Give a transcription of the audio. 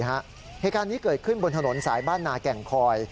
เหตุการณ์นี้เกิดขึ้นบนถนนสายบ้านนาแก่งคอย